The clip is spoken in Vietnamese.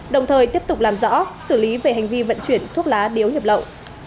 đồng thời tiếp tục làm rõ xử lý về hành vi vận chuyển thuốc lá điếu nhập lậu